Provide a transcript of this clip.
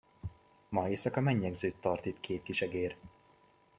Ma éjszaka mennyegzőt tart itt két kisegér.